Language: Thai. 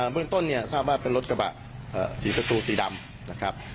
เมืองต้นเนี่ยทราบว่าเป็นรถกระบะสีประตูสีดำนะครับ